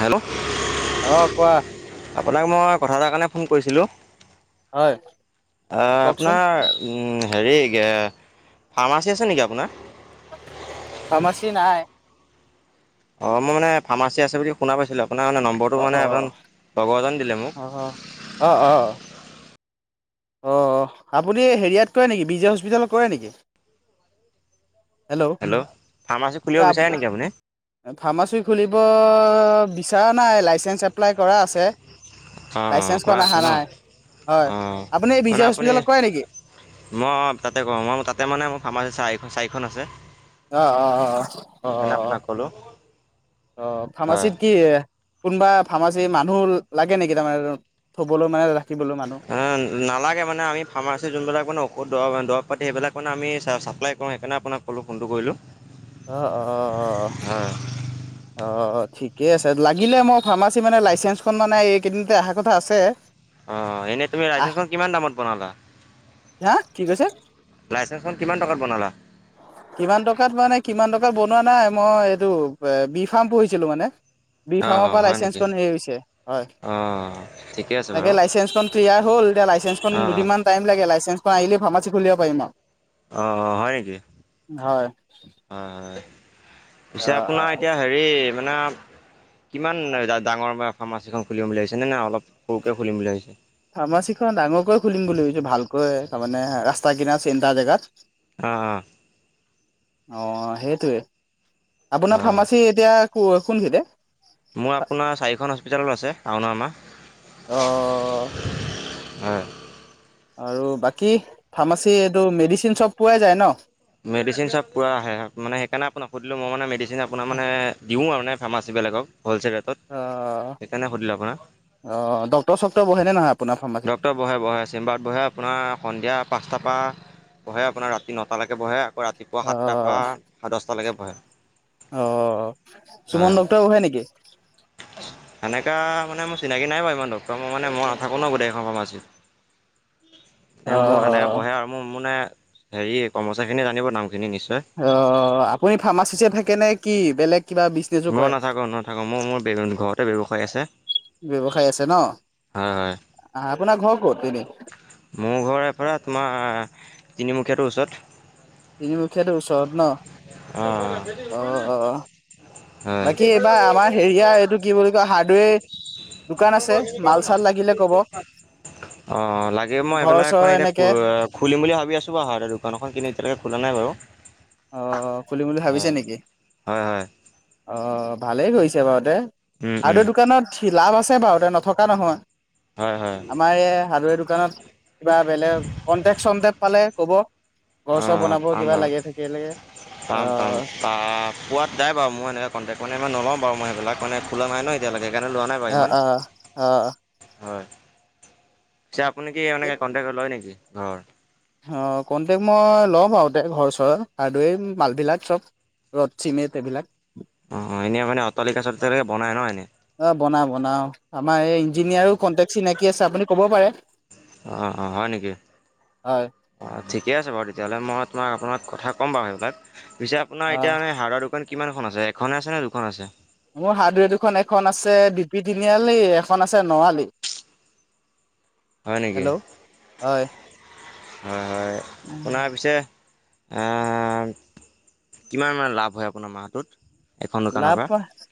Hello অ কোৱা আপোনাক মই কথা এটাৰ কাৰণে। ফোন কৰিছিলোঁ হয় আ কওকচোন অপোনাৰ। হেৰি ফাৰ্মাচী আছে নেকি আপোনাৰ? ফাৰ্মাচী নাই। অ মই মানে ফাৰ্মাচী আছে বুলি শুনা পাইছিলোঁ। আপোনাৰ মানে নম্বৰটো অ মানে অ এজন লগৰ এজন দিলে মোক। অ অ অ অ' আপুনি হেৰিয়াত কৰে নেকি বিজে হস্পিটেলত কৰে নেকি? ফাৰ্মাচী হেল্ল' খুলিব বিচাৰে [unintelligible] নেকি আপুনি ফাৰ্মাচী। খুলিব বিচৰা নাই লাইচেন্স এপ্লাই কৰা আছে। অঁ অঁ কৰা লাইচেন্সখন অহা আছে ন নাই হয়, অঁ আপুনি এই মানে বিজে আপুনি হস্পিতেলত কৰে নেকি? মই অ' তাতে কৰো মই তাতে মানে মোৰ ফাৰ্মাচি চাৰি চাৰিখন আছে। অ' অ' অ' সেইকাৰণে অ' আপোনাক ক'লোঁ আহ হয় ফাৰ্মাচীত কি? কোনোবা ফাৰ্মাচী মানুহ লাগে নেকি তাৰমানে থবলৈ মানে, ৰাখিবলৈ মানুহ এ নালাগে মানে আমি ফাৰ্মাচী যোনবিলাক মানে ঔষধ দ দৰৱ। সবিলাক মানে আমি চাপ্লাই কৰো সেইকাৰণে আপোনাক কলো ফোনটো কৰিলো। অহঅহ-অহ-অহ-অহ-অহ-অহ। ঠিকে আছে লাগিলে মই ফাৰ্মাচী মানে লাইচেঞ্চখন মানে এই কেইদিনতে অহাৰ কথা আছে। অ' এনে তুমি আহ লাইচাচখন কিমান দামত বনালা? হা কি কৈছে লাইচেঞ্চখন কিমান টকাত বনালা কিমান টকাত মানে কিমান টকা, বনোৱা নাই মই এইটো এ বি ফাৰ্ম পঢ়িছিলো মানে, বি অ ফাৰ্মৰ অ পৰা হয় লাইচেন্ঞ্চ নেকি ক হেৰি হৈছে হয়। অ ঠিকে আছে তাকে বাৰু লাইচেন্ঞ্চখন ক্লিয়াৰ হ'ল এতিয়া লাইচেন্খন অ দুদিনমান টাইম লাগে। তেনফাঁৰ আহিল ফাৰ্মচ খুলিব পাৰিম আ', অ-অ হয় নেকি? হয় হয়-হয়, অ পিছে অ আপোনাৰ এতিয়া হেৰি মানে। কিমান ডাঙৰ ফাৰ্মাচীখন খুলিম বুলি ভাবিছেনে নাই অলপ সৰুকৈ খুলিম বুলি ভাবিছে। ফাৰ্মাচীখন ডাঙৰকৈ খুলিম বুলি ভাবিছো ভালকৈ তাৰমানানে ৰাস্তা কিনা চেণ্টাৰ জেগাত। অ-অ, অ সেইটোৱে আপোনাৰ হয় ফাৰ্মাচী এতিয়া ক কোন খিনিতে। মোৰ আপোনাৰ চাৰিখন হস্পিটেলত আছে আৰু আমাৰ, অ' হয়। আৰু বাকী ফাৰ্মাচী এইটো মেডিচিন চব পোৱাই যায় ন। মেডিচিন চব পুৰা আহে মানে সেইকাৰণে আপোনাক সুধিলো মই মানে মেডিচিন আপোনাৰ মানে দিওঁ আৰু মানে। ফাৰ্মাচবিলাকক, অ আপোনাক অ ডক্টৰ চক্টৰ বহে নে নহয় আপোনাৰ। ফাৰ্মাচীত? ডক্টৰ বহে-বহে চিম্বাৰত বহে আপোনাৰ সন্ধিয়া পাঁচটাৰ পৰা বহে আপোনাৰ ৰাতি নটালৈকে। বহে আকৌ ৰাতিপুৱা সাতটাৰ অ' পৰা দহটালৈকে বহে। অ' সুমন ডক্টৰ বহে নেকি? উ [inaudible] সেনেকুৱা মানে চিনাকি নাই বাৰু ইমান ডক্টৰ মই মানে মই নথাকো ন গোটেই ফাৰ্মাছিত। এ মোৰ সেনেকে অ' বহে আৰু মোৰ-মোৰ মানে হেৰি কৰ্মচাৰী খিনিয়ে জানিব দাম। অ' আপুনি ফাৰ্মাচিছে থাকে নে কি বেলেগ কিবা বিজনেছো মই কৰে? নাথাকো নাথাকো মই মোৰ ঘৰতে ব ব্যয়ৱসায় আছে। ব্যৱসায় আছে ন, হয় হয় আপোনাৰ ঘৰ ক'ত? মোৰ ঘৰৰ পৰা তোমাৰ তিনিমুখীয়াটোৰ ওচৰত। তিনিমুখীয়াত ওচৰত ন' অঁ হয় অ-অ, বাকী এইবাৰ আমাৰ হেৰিয়াৰ এইটো কি বুলি কয় হাৰ্ডৱেৰ। দোকান আছে, আপোনালোকৰ এইখিনি কাৰো মাল নাই? চাল লাগিলে ক'ব অ' লাগে মই ঘৰ এইবিলাক চৰ মানে এতিয়া এনেকে খুলিম বুলি ভাবি আছোঁ বা অহ দোকান এখন কিন্তু এতিয়ালৈকে খোল নাই বাৰু। অ' খুলিম বুলি ভাবিছে হয় নেকি হয় হয় অ' ভালেই কৰিছে বাৰু দে। উম উম হাৰ্ডৱেৰ দোকানত সি লাভ আছে বাৰু নথকা নহয় হয় হয় আমাৰ এই হাৰ্ডেৰ দোকান। ত কিবা বেলেগ কনটেক-ছন্তেক পালে কব ঘৰ চৰ বনাব কিবা লাগ থাকি পাম-পাম পা পোৱাত যাই বাৰু মই এনেে কন্টেক্ট মানে মই নলওঁ বাৰু মই। সেইবিলাক মানে খোলা নাই ন এতিয়ালৈকে সেইকাৰণে লোৱা নাই বাৰু অ ইমান অ অ হয়। যে আপুনি কি মানে কণ্টেকত লয় নেকি ঘৰ? অ', কণ্টেক্ট মই লও বাৰু তে ঘৰ চৰৰ, [unintelligible] মালবিলাক চব ৰদ চিমেট এইবিলাক। অ' এনে মানে অটালিকা-চতালিকা বনাই ন এনে। অ' বনাও-বনাও আমাৰ এই ইঞ্জিনিয়াৰো কণ্টেক্ চিনাকি আছে আপুনি ক'ব পাৰে। অ-অ, হয় নেকি হয় অঁ ঠিকে আছে বাৰু তেতিয়াহ'লে মই তোমাক আপোনাক, কথা ক'ম বাৰু সেইবিলাক, পিছে আপোনাৰ অ এতিয়া মানে হাৰ্ডৱেৰ দোকান কিমানখন আছে, এখনে আছে নে দুখন আছে? মোৰ হাৰ্ডৱেৰ দুখন এখন আছে বি পি তিনিআলি এখন আছে নআলি। [inaudible] নেকি হেল্ল', হয়। হয় উম এ, কিমান মান লাভ হয় আপোনাৰ মাহটোত? এখন দোকানৰ লাভ পৰা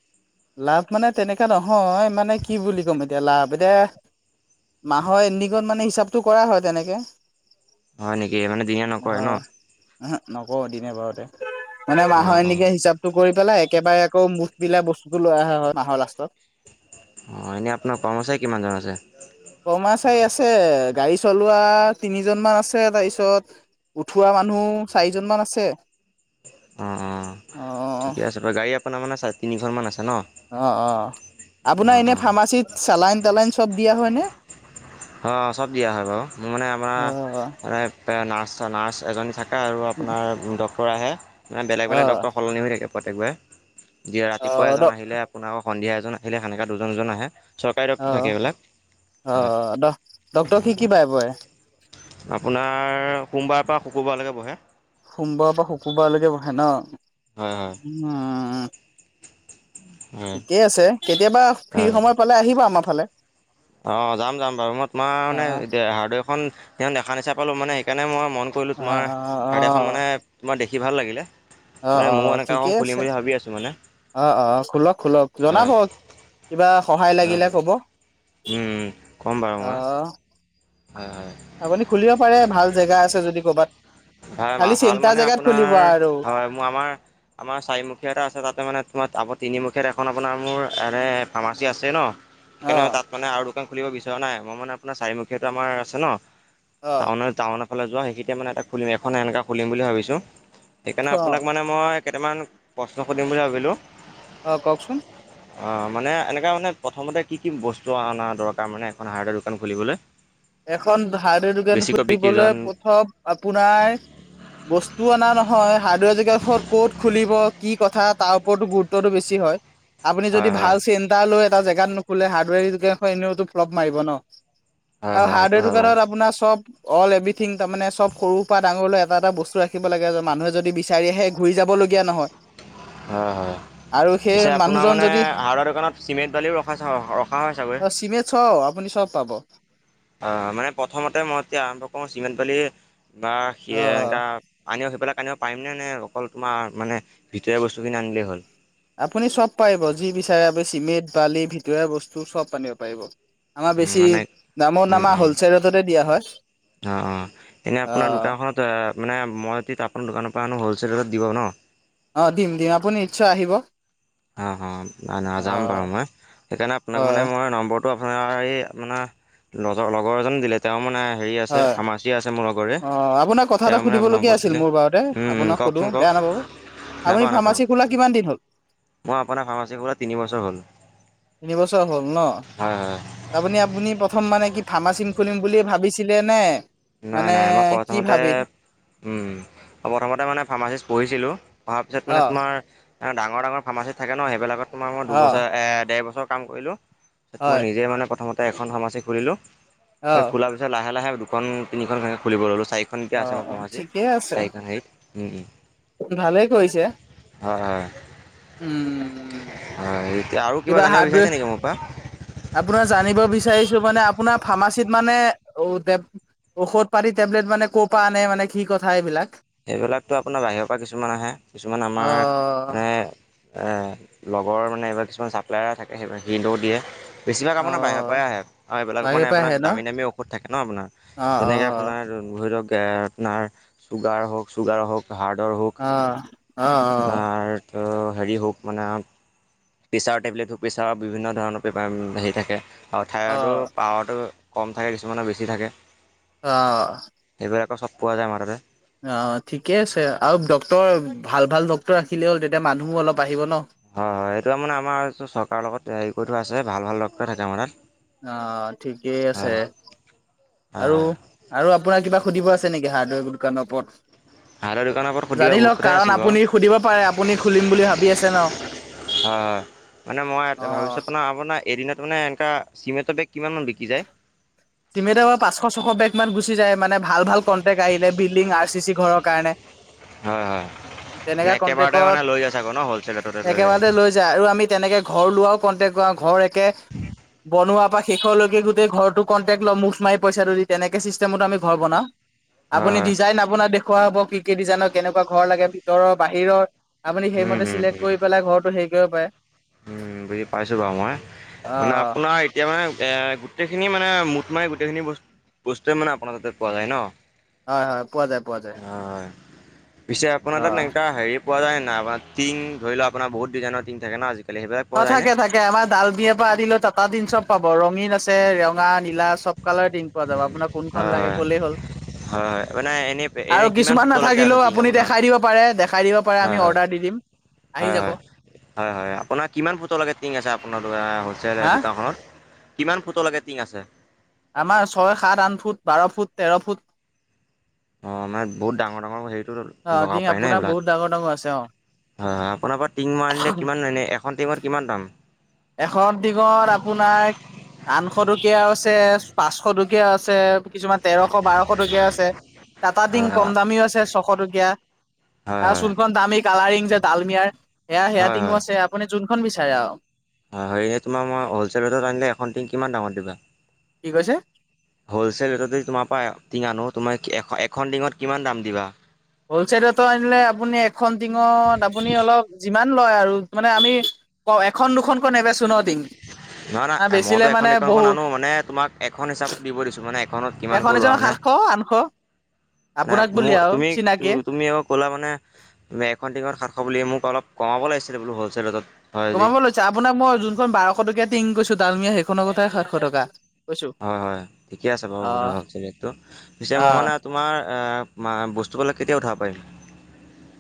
- লাভ মানে তেনেককা নহয় মানে কি বুলি ক'ম এতিয়া লাভ, এতিয়া মাহৰ এণ্ডিঙত মানে হিচাপটো কৰা হয় তেনেকে হয় নেকি, মানে দিনে নকৰে ন? নকৰোঁ দিনে বাৰতে, মানে অঁ মাহৰ অঁ এণ্ডিঙে হিচাপটো কৰি পেলাই একেবাৰে আকৌ মুঠ বিলা বস্তুটো লৈ অহা হয়, মাহৰ লাষ্টত। অ, এনেই আপোনাৰ কাম আছে কিমানজন আছে। কৰ্মাচাৰী আছে, গাড়ী চলোৱা তিনিজনমান আছে, তাৰপিছত উঠোৱা মানুহ চাৰিজন মান আছে। অ', অ ঠিকে আছে বাৰু, গাড়ী আপোনাৰ মানে আ চা তিনিখনমান আছে? ন অ, অ'। আপোনাৰ অঁ এনে অঁ ফাৰ্মাচীত চালাইন তালাইন চব দিয়া হয়নে? অ, চব দিয়া হয় বাৰু মোৰ মানে আপোনাৰ অ মানে নাৰ্ছ নাৰছ এজনী থে আৰু আপোনাৰ ডক্টৰ আহে, মানে বেলেগ অ বেলেগ ডক্টৰ সলনি হৈ থাকে প্ৰত্যেকবাৰে দিয়া অ অ ৰাতিপুৱা দ এজন আহিলে আপোনাৰ আকৌ সন্ধিয়া এজন আহিলে, সেনেকে দুজন দুজন আহে। চৰকাৰী অ দপ্তৰ থাকে এইবিলাক অ হয়। ড ডক্তৰ কি কি উম, বাৰে বাৰে আপোনাৰ সোমবাৰৰ পৰা শুকুৰবাৰলৈকে বহে। সোমবাৰৰ পৰা শুকুৰবাৰলৈকে বহে ন? হয় হয় উম হয় ঠিকেই আছে কেতিয়াবা ফ্ৰী সময় পালে আহিব আমাৰ ফালে অ', যাম, যাম বাৰু। ‌ মই তোমাৰ অ মানে অ হাৰ্ডৱেখন তেওঁ দেখা নিচিনা পালোঁ, মানে সেইকাৰণে মই মন কৰিলো তোমাৰ অ হাৰড এখন মানে তোমাৰ দেখি ভাল লাগিলে। অ- মানে অ ময়ো এনেকুৱা এখন ঠিকেই খুলিম আছে বুলি ভাবি আছোঁ মানে অ- অ খোলক খোলক জনাব। হয় কিবা সহায় হয় লাগিলে হয় কব উম ক'ম বাৰু মই আহ। হয় হয় আপুনি খুলিব পাৰে ভাল জেগা আছে যদি কৰ'বাত। ভাই ভাল মানে আপোনাৰ, আৰু হয়, মোৰ আমাৰ আমাৰ চাৰিমুখীয়া এটা আছে তাতে মানে তোমাৰ টাবত তিনিমুখীয়াত এখন আপোনাৰ মোৰ এনে ফাৰ্মাচী আছে ন অ সেইকাৰণে তাত মানে আৰু দোকান খুলিব বিচৰা নাই মই মানে আপোনাৰ চাৰিমুখীয়াটো আমাৰ আছে ন অ টাউ টাউনৰ ফালে যোৱা সেইখিন এতিয়া মানে এটা খুলিম এখন সনেকুৱা খুলিম বুলি ভাবিছো সেইকাৰণে অ আপোনাক মানে মই কেইটামান প্ৰশ্ন সুধিম বুলি ভাবিলো। অহ কওকচোন অ মানে এনেকা মানে প্ৰথমতে কি কি বস্তু অনা দৰকাৰ মানে এখন হাৰ্ডৱেৰ দোকান খুলিবলৈ এখন হাৰ্ডৱেৰ দোকান বেছিকৈ বিক্ৰী যোৱা খুুলিবলৈ প্ৰথম আপোনাৰ বস্তুও অনা নহয় হাৰ্ডৱেৰ জোগ ক'ত খুলিব কি কথা তাৰ ওপৰতো গুৰুত্বটো বেছি হয় আপুনি হয় যদি হয় ভাল চেণ্টাৰ লৈ এটা জেগাত নুখোলে হাৰ্ডৱেৰ এনেওো ফ্লপ মাৰিব ন। হয় আৰু হয় সেইটো হাৰ্ডৱেৰটো হয় বাৰু দোকানত আপোনাৰ চব অল এভ্ৰিথিং তাৰমানে চব সৰুৰ পৰা ডাঙৰ এটা এটা বস্তু ৰাখিব লাগে যে মানুহে যদি বিচাৰি আহে ঘূৰি যাবলগীয়া নহয় হয় হয় আৰু সেই পিছে আপোনাৰ মানুহজন মানে যদি হাহৰ দোকানত চিমেণ্ট বালিও ৰখা - ৰখা হয় চাগৈ। চিমেণ্ট চব আপুনি চব পাব। আ মানে প্ৰথমতে মই এতিয়া আৰম্ভ কৰো চিমেণ্ট বেলি বা সে এনেকা আন [unintelligible] বিলাক আনিব পাৰিম নে নোৱাৰি অকল তোমাৰ মানে ভিতৰীয়া বস্তুখিনি আনিলেই হ'ল আপুনি চব পাৰিব যি বিচাৰে চিমেণ্ট বালি ভিতৰুৱ বস্তু চব আানিব পাৰিব আমাৰ বেছি দামো দামা মানে হলছেল ৰেটতে দিয়া হয় অ অ এনে আপোনাৰ অ'। দোকানখনত অ মানে মই তেতিয়া আপোনাৰ দোকানৰ পৰা আনো হ'লচলেলত দিব ন'। অ' দিম দিম আপুনি নিশ্চয় আহিব। অ' নাই নহয় যাম বাৰু মই সেইকাৰণে আপোনাক মানে হয় মই নম্বৰটো। আপোনাৰ মানে লগৰ এজন দিলে, তেওঁ মানে হেৰি আছে হয় ফাৰ্মাচী আছে মোৰ লগৰে অ' আপোনাক কথা এটা তেওঁ মানে সুধিবলগীয়া নম্বৰ আছিল। দিলে মোৰ বাৰতে উম উম আপোনাক সুধো কওকচোন কওক বেয়া নাপাবো। আপুনি নাপাওঁ নাপাওঁ ফাৰ্মাচী খোলা কিমান দিন হ'ল। মই আপোনাৰ ফাৰ্মাচীৰ কৰা তিনি বছৰ হ'ল। তিনিবছৰ হ'ল ন, হয় হয় তাৰপনি আপুনি প্ৰথম মানে কি ফাৰ্মাচিম খুলিম বুলি ভাবিছিলে নে? নাই মানে নাই মই কি প্ৰথমতে, ভাবি প্ৰথমতে মানে ফাৰ্মাচিষ্ট পঢ়িছিলো। অহাৰ পিছত মানে অ তোমাৰ ডাঙৰ, ডাঙৰ ফাৰ্মাচী থাকে ন' সেইবিলাকত তোমাৰ মই অ দুবছৰ, এ ডেৰ বছৰ। কাম কৰিলো তাৰছত মই হয় নিজে মানে প্ৰথমতে এখন ফাৰ্মাচি খুলিলো অ আৰু খোলাৰ পিছত লাহে লাহে দুখন তিনিখনৈ খুলিব ল'লোঁ চাৰিখন এতিয়া অ আছে মোৰ অ ফাৰ্মাচি চাৰিখন হেৰিত। ভালে কৰিছে হয় হয় উম'। হয় এতিয়া আৰু কিবা জানিব হাৰ্ডৱেৰ বিচাৰিছে নেকি মোৰ পৰা আপোনাৰ জানিব বিচাৰিছে। যিটো মানে আপোনাৰ ফাৰ্মাচীত মানে ঔষধ পাতি, টেবলেট মানে ক'ৰ পৰা আনে মানে কি কথা এইবিলাক। সেইবিলাকতো আপোনাৰ বাহিৰৰ পৰা কিছুমান আহে কিছুমান আমাৰ মানে অ', এ লগৰ মানে এইবাৰ কিছুমান চাপ্লায়াৰ থাকে, সেই হিদো দিয়ে। বেছিভাগ আপোনাৰ বাহিৰৰ পৰাই অ', আহে আৰু এইবিলাক মানে বাহিৰৰ পৰা আপোনাৰ আহে ন? দামী দামী ঔষধ থাকে ন' আপোনাৰ অ', যেনেকৈ অ', আপোনাৰ ধৰি লওক আপোনাৰ চুগাৰ হওক চুগাৰ হওক হাৰ্ডৰ হওক। অ', আপোনাৰ -অ'। হেৰি হওক মানে প্ৰেছাৰৰ টেবলেটটো, প্ৰেছাৰৰ বিভিন্ন ধৰণৰ প্ৰেপাৰ হেৰি থাকে আৰু অ', থাইৰইডৰ পাৱাৰটো। কম থাকে, কিছুমানৰ বেছি থাকে। অহ। সেইবিলাকো চব পোৱা যায় মাৰোতে অ' ঠিকে আছে আৰু ডক্টৰ ভাল ভাল ড্ক্তৰ ৰাখিলে হ'ল তেতিয়া মানুহো অলপ আহিব ন'। হয়, হয় এইটো আৰু মানে আমাৰটো চৰকাৰৰ লগত হেৰি কৰি থোৱা আছে। ভাল ভাল ডক্টৰ থাকে আমাৰ তাতে। অ' ঠিকেই আছে হয় আৰু হয় আৰু আপোনাৰ কিবা সুধিব আছে নেকি হাৰ্ডৱেৰ দোকানৰ ওপৰত। হাৰ্ডৰ দোকানৰ ওপৰত সুধিব জানি বহুত লওক কথাই কাৰণ আছিল বাৰু আপুনি সুধিব পাৰে, আপুনি খুলিম বুলি ভাবি আছে ন'। হয়-হয় মানে মই ভাবিছো অ', আপোনাৰ আপোনাৰ এদিনত মানে এনেুৱ চিমেণ্টৰ বেগ। কিমানমান বিকি যায়। চিমেটৰ পাঁচশ, ছশ বেগ মান গুচি যায়, মানে ভাল ভাল কণ্টেক্ট আহিলে বিল্ডিং আৰ চি চি ঘৰ কাৰণে। হয়-হয়। তেনেকা কন্টেকত একেবাৰতে লৈ যায় আৰু আমি তেনেকে ঘৰ লোৱাও কন্টেক কৰা। ঘৰ একে বনোৱা পৰা শেষলৈকে গোটেই ঘৰটোক। কণ্টেক্ট ল' মুঠ মাৰি পইচাটো দি তেনেকে চিষ্টেম আমি ঘৰ বনাও। হয় আপুনি হয় ডিজাইন আপোনাৰ দেখুওৱাব হ'ব কি কি ডিজাইনৰ কেনেকুৱা ঘৰ লাগে ভিতৰৰ বাহিৰৰ। আপুনি উম সেইমতে উম চিলেক্ট উম কৰি পেলাই ঘৰতটো হেৰি কৰিব পাৰে। উম, বুজি পাইছো বাৰু মই মানে অ', আপোনাৰ এতিয়া মানে এ গোটেইখিনি মানে মুঠ মাৰি গোটেইখিনি বস্তুৱে মানে আপোনাৰ তাতে পোৱা যায় ন'। হয়-হয়, পোৱা যায়, পোৱা যায়। হয়। পিছে আপোনাৰ তাত অ', একা হেৰি পোৱা যায় নাই আপাৰ টিন ধৰি লোৱা আপাৰ বুত ডিজাইনৰ টিং থাকে ন আজি অ' থাকে থাকে আমাৰ ডাল বিয়াৰ পৰা আদি লৈ টাটা তিন চব পাব। ৰঙীন আছে ৰঙা, নীলা চব কালাৰ টিন পোৱা যাব, আপোনাৰ কোনখন লাগে হয় হয় কলেই হ'ল। হয় হয় মানে এনে এনে আৰু কিমান কিছুমান ফুটলৈকে আছে নাথাকিলেও টিং আপুনি আপোনাৰ? দেখাই দিব পাৰে, দেখাই দিব পাৰে, আমি অৰ্ডাৰ দি দিম। আহি যাব। হয়-হয়-হয়-হয় আপোনাক কিমান ফুটলৈকে টিং আছে আপোনাৰ হ'ল চেল হা দোকানখনত কিমান ফুটৰলৈকে টিং আছে। আমাৰ ছয় সাত আঠ ফুট বাৰ ফুট তেৰ ফুট অ' মানে বহুত ডাঙৰ ডাঙৰ হেৰিটো অ লগাব ডিং পাৰি ন আপোনাৰ বহুত এইবিলাক। ডাঙৰ ডাঙৰ আছে অ হয় হয় আপোনাৰ পৰা টিং মই আনিলে কিমান এনেই এখন টিঙত কিমান দাম? এখন টিংত আপোনাৰ আঠশ টকীয়াও আছে, পাচশ টকীয়াও আছে। কিছুমান তেৰশ বাৰশ টকীয়া আছে, টাটা হয় টিংক হয় কম দামীও আছে ছশ টকীয়া। হয় আহ হয়। শুনখন দামি কালাৰিং যে ডালমিয়াৰ, সেয়া হয় সেয়াটিঙো হয় আছে আপুনি যোনখন বিচাৰে আৰু হয় হয় এনেই তোমাৰ মই হ'লচেল ৰেটত আনিলে এখন কিমান দামত দিবা? কি কৈছে হল'চেল ৰেটতে যদি তোমাৰ পা টিঙ আনো, তোমাৰ এ এখন টিঙত কিমান দাম দিবা? হলচলতো আনিলে আপুনি এখন টিঙত আপুনি অলপ যিমান লয় আৰু মানে আমি এখন দুখনকৈ নেবেছো ন টিং নহয় নহয়, বেচিলে মইতো এখন মানে দুখনকৈ বহু নানো, মানে তোমাক এখন হিচাপ দিব দিছো মানে এখত এখন কিমানকৈ লোৱা এজনৰ মানে সাতশ আঠশ ন আপোনাক ম বুলি আৰু তুমি চিনাকি তুমি আকৌ কলা মানে এখন টিঙত সাতশ বুলি। মোক অলপ কমাব লাগিছিলে বোলো হ'লছেল ৰেটত হয় যদি কমাব লৈছো আপোনাক মই যোনখন বাৰশ টকীয়া টিং কৈছো ডালমিয়া সেইখনৰ কথা সাতশ টকা। কৈছো হয় হয় ঠিকে আছে বাৰু অ হ'লচেল ৰেটটো পিছে অ মই মানে তোমাৰ বস্তুবিলাক কেতিয়া উঠাব পাৰিম?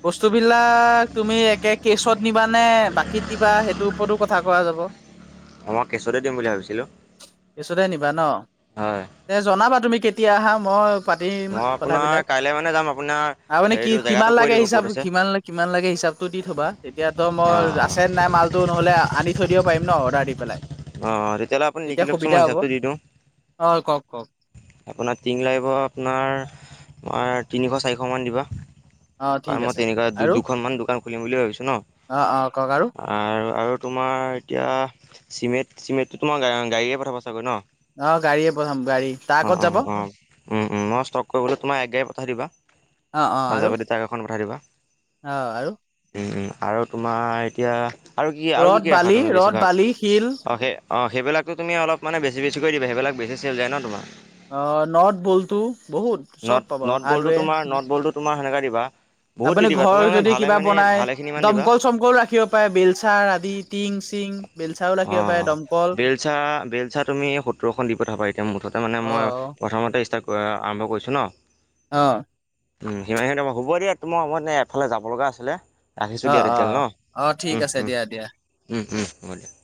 বস্তু বিলাক তুমি একে কেচত নিবা নে বাকীত দিবা সেইটোৰ ওপৰতো কথা কোৱা যাব। ব [unintelligible] অ' মই কেছতে দিম বুলি ভাবিছিলোঁ। কেছতে নিবা ন, হয়। তে জনাবা তুমি কেতিয়া আহা মই পাতিম মই আপোনাৰ কাইলৈ মানে যাম আপোনাৰ তাৰমানে কি হেৰিটো জেগাটো কিমান কৈ লাগে দিব ক'ত হিচাপ আছে কিমান - কিমান লাগে হিচাপতটো দি থবা তেতিয়াতো মই অঁ আছে নাই মাল টো নহ'লে আনি থৈ দিব পাৰিম ন অৰ্ডাৰ দি পেলাই। অ' তেতিয়া হ'লে আপুনি লেখি লোকচোন, সুবিধা মই হ'ব হিচাবটো দি দিওঁ। অ কওক কওক আপোনাৰ টিং লাগিব আপোনাৰ তিনিশ চাৰিশ মান দিবা। অ ঠিক তাৰমানে মই আছে তেনেকুৱা দু আৰু দুখন মান দোকান খুলিম বুলি ভাবিছো ন অ অ কওক আৰু আৰু আৰ‌‌ তোমাৰ এতিয়া চিমেণ্ট চিমেণ্টটো তোমাৰ গাড়ীয়ে পঠাবা ছাগৈ ন? অ', গাড়ীয়ে পঠাম গাড়ী তাৰ অ' আগত যাব অ' অ' উম উ মই ষ্টক কৰিবলৈ তোমাৰ এক গাড়ী পঠাই দিবা। অ' অ' আৰু পাঞ্জাৱতী ট্ৰাক এখন পঠাই দিবা উম - উম আৰু তোমাৰ এতিয়া আৰু কি আৰু কি ৰদ কি ৰাখা বালি তুমি ৰদ বেছিভাগ বালি শিল অ' সেই অ' সেইবিলাক তুমি অলপানে বেছি বেছি কৈ দিবা, সেইবিলাক বেছিকৈ চেল যায় ন তোমাৰ। অ নথ বলটোু বহুত নট চব পাবা নট বলটো হাৰ্ডৱে। তোমাৰ নট বলটো তোমাৰ সেনেকা দিবা বহুত দি আপুনি দিবা তোমাৰ ঘৰ মানে যদি ভালে কিবা মানে বনাই ভালেখিনি মান দিবা দমকল চমকল ৰাখিব পাৰে বেলচাৰ আদি টিং। চিং বেলচাও অ, ৰাখিব পাৰে দমকল বেলচা বেলচা তুমি সত্তৰখন দি পঠাবা এতিয়া মুঠতে মানে মই অ', প্ৰথমতে ষ্টাৰ্ট আৰম্ভ কৰিছো ন। অ', উম সিমানেই, হব দিয়া তোমাৰ মই মানে এফালে যাব লগা আছিলে। আহিছোঁ দিয়া তেতিয়া হ'লে অ', অ', ন ঠিক উম আছে উম দিয়া দিয়া ম উম হ'ব দিয়া। [inaudible]